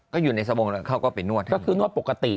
ก็คือนวดปกติ